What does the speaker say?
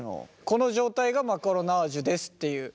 この状態がマカロナージュですっていう。